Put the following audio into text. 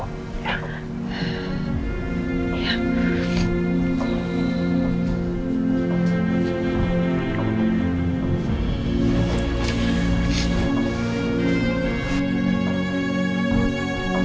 mama masih tidur